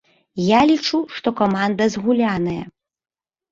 Я лічу, што каманда згуляная.